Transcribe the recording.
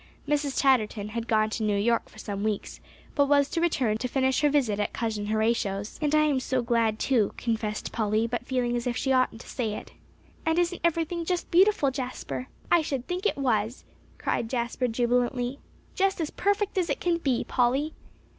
Mrs. Chatterton had gone to New York for some weeks, but was to return to finish her visit at "Cousin Horatio's." "And I am so glad too," confessed Polly, but feeling as if she oughtn't to say it. "And isn't everything just beautiful, Jasper!" "I should think it was!" cried Jasper jubilantly. "Just as perfect as can be, Polly."